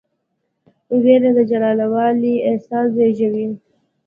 ویره د جلاوالي احساس زېږوي.